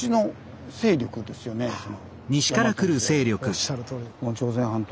おっしゃるとおり。